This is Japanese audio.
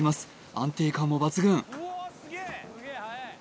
安定感も抜群